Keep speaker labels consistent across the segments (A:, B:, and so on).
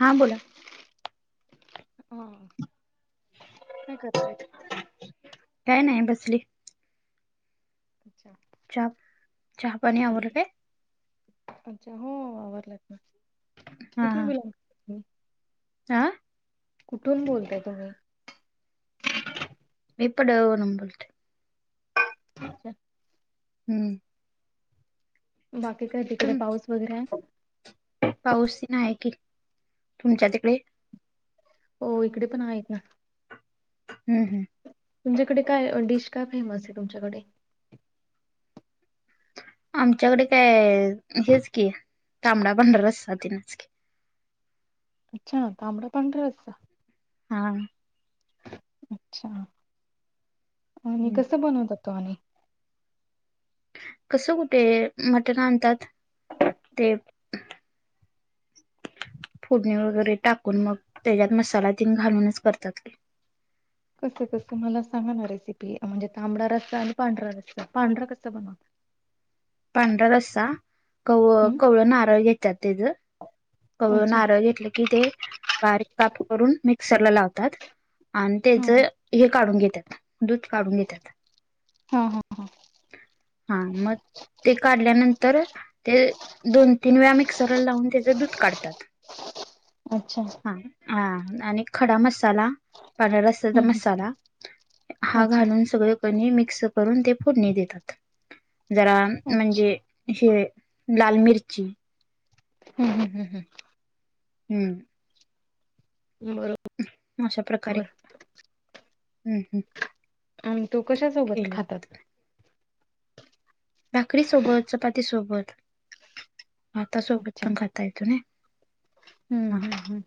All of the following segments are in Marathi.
A: हा बोला.
B: हा काय करत?
A: काय नाही बसली.
B: अच्छा.
A: चहा चहा पाणी आवरलं काय?
B: अच्छा हो आवरलात ना कुठून [unintelligible]
A: आ.
B: कुठून बोलताय तुम्ही?
A: मी पडव वरून बोलते.
B: अच्छा.
A: हम्म.
B: बाकी काय तिकड
A: तुम
B: पाऊस वगैरे आहे.
A: पाऊस नाही कि तुमच्या तिकडे?
B: हो इकडे पण आहेत ना.
A: हम हम,
B: तुमच्याकडे काय डिश काय फेमस आहे तुमच्याकडे?
A: आमच्याकडे काय हेच की तांबडा पांढरा रस्सा तेनच की.
B: अच्छा तांबडा पांढरा रस्सा,
A: हा,
B: अच्छा आणि
A: हम्म
B: कसं बनवतात तो आणि,
A: कसं कुठे मटण आणतात ते, फोडणी वगैरे टाकून मग त्याच्यात मसाला तेन घालूनच करतात की,
B: कसं कसं मला सांगा ना रेसिपी म्हणजे तांबडा रस्सा आणि पांढरा रस्सा पांढरा कसं बनवतात?
A: पांढरा रस्सा कव
B: हम्म
A: कवळं नारळ घेतात त्येज, कवळं
B: अच्छा
A: नारळ घेतलं की ते बारीक काप करून मिक्सरला लावतात. आणि
B: हा
A: त्येच
B: हा
A: हे काढून घेत्यात दूध काढून घेत्यात.
B: हा हा हा,
A: हा मत, ते काढल्यानंतर ते दोन तीन वेळा मिक्सरला लावून त्याच दुध काढतात.
B: अच्छा,
A: हा आणि खडा मसाला, पांढर्या रस्स्याचा
B: हम्म हम्म
A: मसाला हा
B: अच्छा
A: घालून सगळ, कणी मिक्स करून ते फोडणी देतात जरा
B: अच्छा
A: म्हणजे, हे लाल मिरची,
B: हम हम हम हम,
A: हम्म,
B: हं बरं,
A: अशा प्रकारे हम्म हम्म,
B: आणि तो कशासोबत
A: केलं
B: खातात?
A: भाकरी सोबत चपाती सोबत भातासोबत
B: अच्छा
A: पण खाता येतो नाय.
B: हम्म हम् हम्,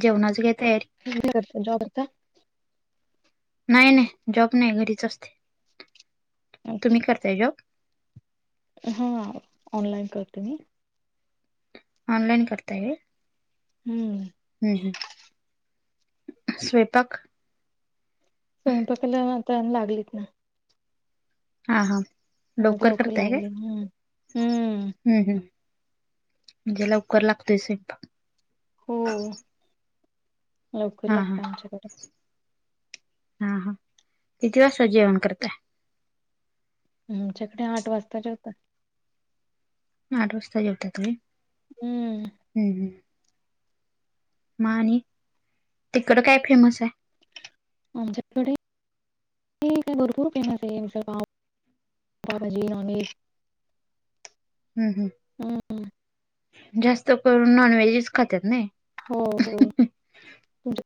A: जेवणाची काय तयारी?
B: [unintelligible]
A: नाही नाही जॉब नाही घरीच असते
B: अच्छा
A: तुम्ही करताय जॉब?
B: हा.. ऑनलाईन करते मी.
A: ऑनलाईन करता होय?
B: हम्म.
A: हं, हं स्वयंपाक?
B: स्वयंपाकाला आता लागलीत ना.
A: हा, हा.
B: आज लवकर लागलेय ना, हम्म.
A: हं, हं, जरा लवकर लागतोय स्वयंपाक.
B: हो, लवकर
A: हा हा
B: लागतोय आमच्याकडे.
A: हा, हा किती वाजता जेवण करताय?
B: आमच्याकडे आठ वाजता जेवतात.
A: आठ वाजता जेवतात व्हय,
B: हम्म
A: हं, हं. मग आणि तिकड काय फेमस आहे?
B: आमच्याकडे हे का आहे भरपूर फेमस आहे, आमच्या गावात पावभजी, नॉनव्हेज..
A: हं, हं,
B: हम्म
A: जास्त करून नॉनव्हेजच खात्यात नाही.
B: हो, हो. तुमच्या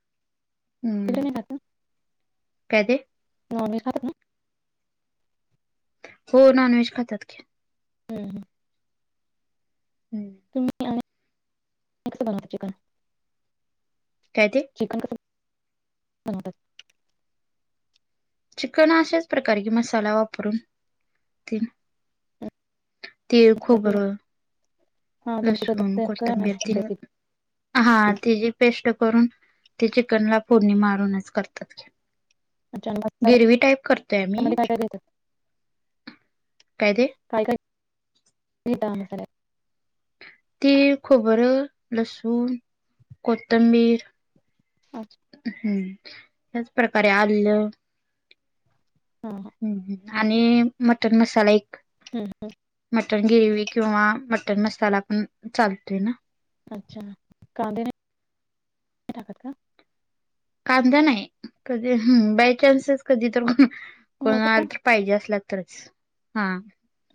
B: तिकडे
A: हम्म,
B: नाही खात ना
A: काय ते?
B: नॉनव्हेज खात का?
A: हो नॉनव्हेज खात्यात कि.
B: [unintelligible]
A: हम्म.
B: [unintelligible] हे कस बनवायचं चिकन?
A: काय ते?
B: चिकन कस बनवतात?
A: चिकन अशाच प्रकारे कि, मसाला वापरून तेन. तिळ, खोबर.
B: तुमच्या हा तुमची
A: प्लशरूम,
B: पद्धत काय?
A: कोथिंबीर मेन.
B: रेसिपी
A: हा, तेजी पेश्ट करून ते चिकनला फोडणी मारूनच करतात की.
B: अच्छा आणि मसाल्यामध्ये
A: गिरवी टाईप करतो आम्ही.
B: काय काय देता
A: काय ते?
B: काय काय [unintelligible]
A: तीळ, खोबर, लसूण, कोथंबीर
B: आच
A: हम्म, त्याच प्रकारे आलेल.
B: [unintelligible]
A: हं, हं. आणि मटण मसाला एक.
B: [unintelligible]
A: मटन गिरवी किंवा मटन मसाला पण चालतोय ना.
B: अच्छा कांदे नाही टाकत का?
A: कांदा नाही, कधी हम्म बाय चान्सच कधी तर
B: हो का?
A: [unintelligible] पाहिजे असला तरच. हा.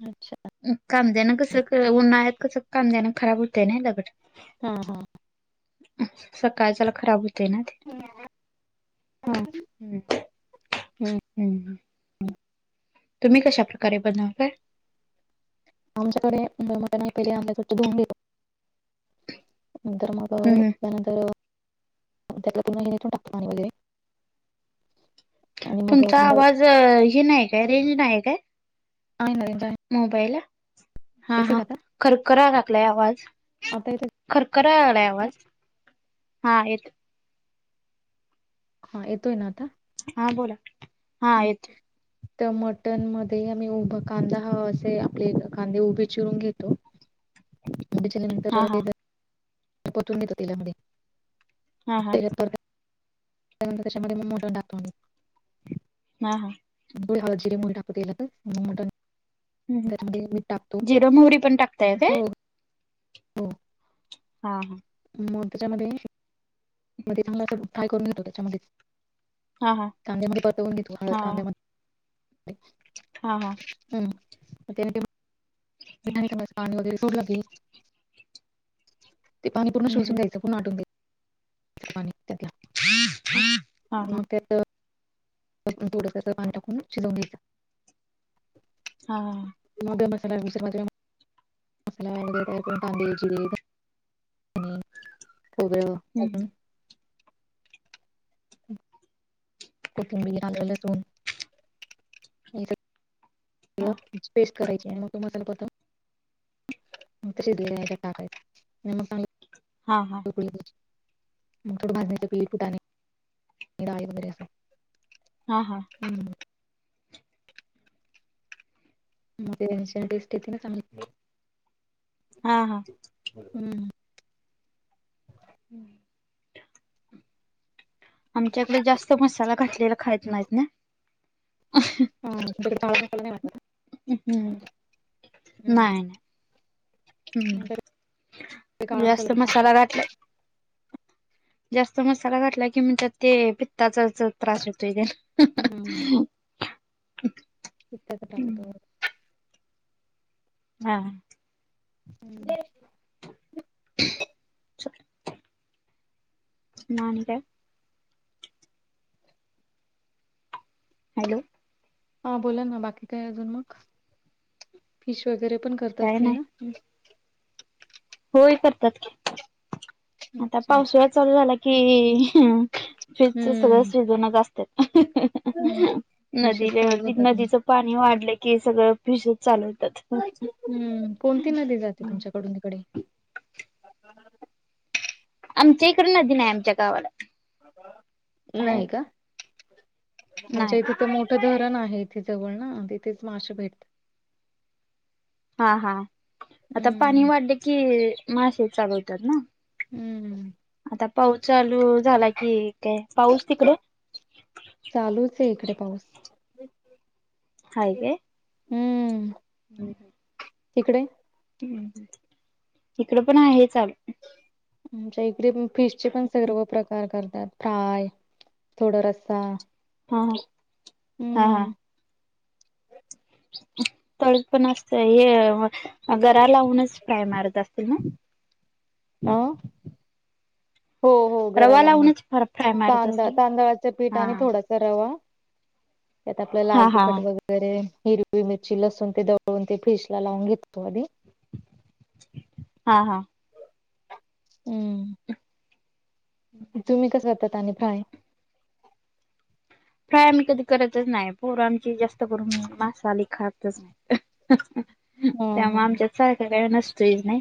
B: अच्छा.
A: अं कांद्यान कस उन्हाळ्यात कसं कांद्यान खराब होतंय नाही लगट.
B: हा, हा.
A: अं सकाळच्याला खराब होतय ना ते.
B: म्याप.
A: हम्म ह्म ह्म तुम्ही कशाप्रकारे बनवत्याय?
B: आमच्याकडे मोमत आणि पहिले आपल्या स्वच्छ धूवून घेतो आणि नंतर मग. अ
A: हम्म
B: त्यानंतर त्यातल्यातुन ही निथुन टाकतो पाणी वगैरे. आणि मग
A: तुमचा
B: कांदा
A: आवाज हे नाही काय रेंज नाही आहे काय?
B: आणि नवीन काय?
A: मोबाईल हा हा खरखराय लागलाय आवाज?
B: आता येतोय
A: खरखराय लागल्या
B: का?
A: आवाज हा येतो.
B: हा येतोय ना आता?
A: हा बोला. हा
B: हम्म
A: येत
B: ते मटन मध्ये आम्ही उभ कांदा हा असे आपले कांदे उभे चिरून घेतो उभे चिरल्या
A: हा हा
B: नंतर. परतून घेतो तेला मध्ये
A: हा हा
B: तेलात परतल्या त्या नंतर त्याच्यामध्ये मटण टाकायचं.
A: आ हा.
B: मग थोडी हळद जिरी मोहरी टाकू तेलातचं मग मटन, तर [inaudible] मीठ टाकतो
A: जिर मोहरी पण टाकताय काय
B: हो. हो.
A: हा हा
B: मो त्याच्यामध्ये. म ते सगळं फ्राय करून घेतो त्याच्यामध्ये
A: हा हा
B: कांद्यामध्ये परवतंवून घेतो हळद
A: हा
B: कांद्यामध्ये, [unintelligible]
A: हा हा
B: हम्म [inaudible] पाणी वगैरे सोडल की, ते पाणी पूर्ण
A: हम्म
B: शोसून
A: हम्म
B: द्यायचं पूर्ण आटून द्या पाणी त्यातंल.
A: हा हा
B: म ते म त्या थोडसं पाणी टाकून शिजवून घ्यायचं.
A: हा.
B: मग मसाला मिक्सर मध्ये घालून मसाला कांदे, जिरे, धणे, आणि खोबर
A: हम्म हम्म
B: वाटून. कोथंबीर आलं लसुन. म
A: हा
B: त्यांची पेस्ट करायची आणि मग तो मसाला परतून, मग त्या शिजलेल्या हेच्यात टाकायचा.
A: हा हा
B: [unintelligible]
A: हा हा
B: हम्म म ते त्याला टेस्ट येते ना चांगली.
A: हा हा
B: हम्म
A: हम्म आमच्या इकडं जास्त मसाला घातलेला खाईत नाही ने.
B: [unintelligible]
A: हम्म नाही नाही ह्म
B: तुमच्याकडे
A: जास्त मसाला घातलाय. जास्त मसाला घातला की म त्यात ते पित्ताचा त्रास होतोय ग.
B: हम्.
A: [inaudible]
B: [unintelligible]
A: हा.
B: हम्.
A: [inaudible] नानी काय? हॅलो.
B: हा बोला ना बाकी काय अजून मग, फिश वगैरे पण करत
A: काय
B: असतील ना?
A: नाही होय करतात की, आता
B: अच्छा
A: पावसूळा चालू झाला कि फिश च सगळ
B: हम्म
A: सीजनच असत्यात
B: फिशच चालू
A: नदीचे
B: होतात मग
A: नदिच पाणी वाढल की सगळं फिश च चालू हुतात.
B: हम्म, कोणती नदी जाते तुमच्याकडून तिकडे?
A: आमच्या हिकड नदी नाय आमच्या गावाला. बाहेर
B: नाही का? आमच्या
A: नाही
B: इथे तर मोठं धरण आहे इथे जवळ ना तिथेच मासें भेट
A: हा हा आता पाणी
B: हम्म
A: वाढले की मासे चालू होतात ना?
B: हम्म
A: आता पाऊस चालू झाला की काय पाऊस तिकड?
B: चालूच ए इकडे पाऊस.
A: हाय काय?
B: हुम्म.
A: [inaudible]
B: तिकडे?
A: हम्म, इकड पण आहे चालु.
B: आच्या ईकरे पण फिश चे पण सर्व प्रकार करतात. फ्राय थोडं रसा
A: हा हा, हा हा. तळ पण असतंय, हे गरा लावूनच फ्राय मारत असते ना?
B: अ हो. हो गरा
A: रवा फ्राय
B: लावूनच
A: मारत
B: तांद
A: असेल ना?
B: तांदळाच पीठ
A: हा
B: आणि थोड तरयवा त्यात आपलं लाल
A: हा हा
B: तिखट वगै रे हिरवी मिरची लसून ते दवळून ते फ्रिश लावून घेतो आधी.
A: हा हा.
B: हूम्म. तुम्ही कसं होतात आणि फ्राय?
A: फ्राय आम्ही कधी करतच नाय पोर आमची जास्त करून मासा लय खातच नाय.
B: हा
A: त्यामुळ आमच्यात सारखं काय नसतोच नाय.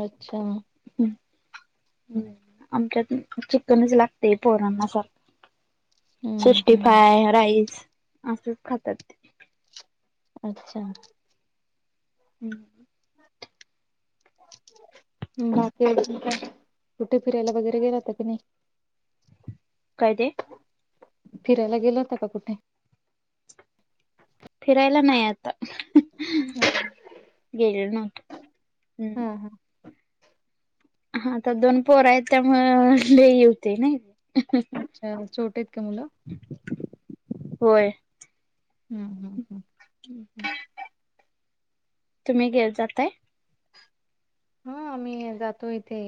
B: अच्छा.
A: हम्म. आमच्यात चिकनच लागतंय पोरांना सार
B: हम्म
A: शिष्टी
B: हम्म
A: फाय, राईस असच खातात.
B: अच्छा.
A: [inaudible]
B: बाकी अजून काय? कुठे फीरायला वगैरे गेला होता की नाही? [inaudible]
A: काय ते
B: फिरायला गेला होता का कुठे?
A: फीरायला नाही आता ह ह, गेलेलो
B: हा हा
A: हा, तर दोन पोर आहेत त्यामुळ लय होते न ई
B: अच्छा! छोटी आहेत का मुलं?
A: होय
B: हुम् हुम
A: हुम् हुम तुम्ही गेलता काय?
B: हां आम्ही जातो इथे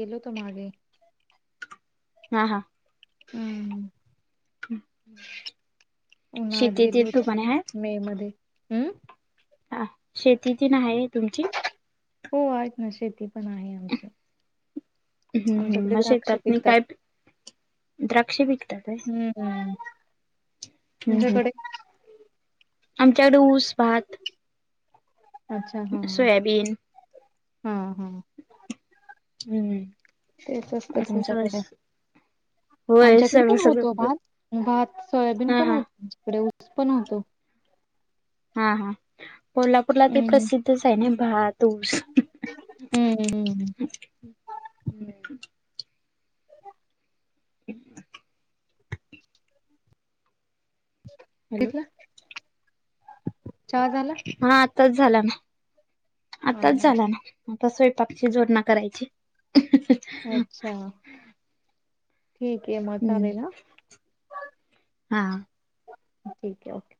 B: गेलोतो मागे.
A: हा हा
B: हु म्म हु गेल
A: शेतीतील
B: होत
A: तुम्हाने आहे.
B: मध्ये हम् [inaudible]
A: हा, शेती तेन आहे तुमची
B: हो आहे न शेती पण आहे आमची.
A: हम्म
B: आमच्याकडे
A: हम्
B: द्राक्ष
A: शेतात म
B: पिकतात
A: काय द्राक्ष पिकतात आहे?
B: हा
A: हम्म
B: तुमच्याकडे
A: आमच्याकडे ऊस भात
B: अच्छा! ह हां हा हा
A: हुम्म
B: तेच असतं तुमच्याकडे
A: होय
B: आमच्याकडे
A: सर्व
B: पण
A: सगळं
B: होतो भात. भात, सोयाबीन
A: हा
B: पण
A: हा
B: होत. च्याडे ऊस पण होतो.
A: हा हा, कोल्हापूरला ते
B: हम्म
A: प्रसिद्धच आहे ना भातूस.
B: हम्म हम्म्
A: [unintelligible] हॅलो
B: तिथलं, चहा झाला?
A: हा आताच झाला ना,
B: हा
A: आताच
B: हा
A: झाला ना. आता स्वंपाकची जुळना करायची.
B: अच्छा! ठीक आहे मग
A: हम्म
B: चालेल ना,
A: हा
B: ठीक आहे ओके.